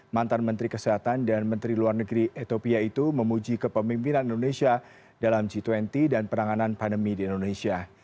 mantan menteri kesehatan dan menteri luar negeri etopia itu memuji kepemimpinan indonesia dalam g dua puluh dan penanganan pandemi di indonesia